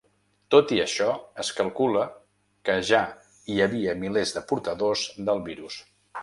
Tot i això es calcula que ja hi havia milers de portadors del virus.